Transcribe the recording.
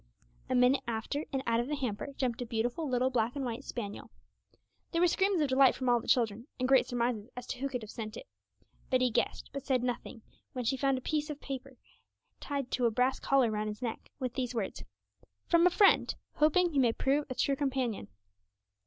A minute after, and out of the hamper jumped a beautiful little black and white spaniel. There were screams of delight from all the children, and great surmises as to who could have sent it. Betty guessed, but said nothing when she found a piece of paper tied to a brass collar round his neck, with these words: 'From a friend, hoping he may prove a true companion.'